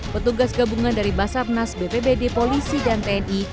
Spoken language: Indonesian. petugas gabungan dari basarnas bpbd polisi dan tni